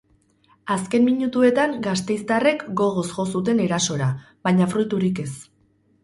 Azken minutuetan gasteiztarrek gogoz jo zuten erasora, baina fruiturik ez.